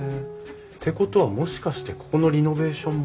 ってことはもしかしてここのリノベーションも？